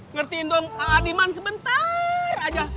ngertiin dong ah diman sebentar aja